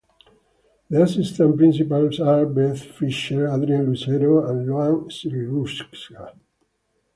The assistant principals are Beth Fisher, Adrian Lucero and Loan Sriruksa.